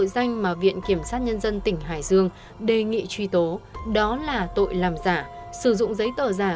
danh mà viện kiểm sát nhân dân tỉnh hải dương đề nghị truy tố đó là tội làm giả sử dụng giấy tờ giả